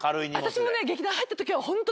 私もね。